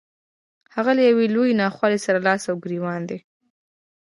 هغه له يوې لويې ناخوالې سره لاس او ګرېوان دی.